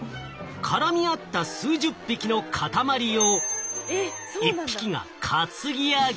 絡み合った数十匹の塊を１匹が担ぎ上げ。